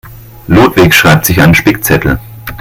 Ludwig schreibt sich einen Spickzettel.